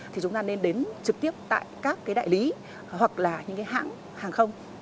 thì chúng ta nên đến trực tiếp tại các đại lý hoặc là những hãng hàng không